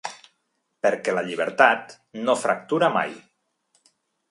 Perquè la llibertat no fractura mai.